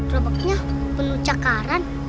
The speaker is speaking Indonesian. roboknya penuh cakaran